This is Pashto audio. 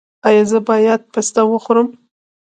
ایا زه باید پسته وخورم؟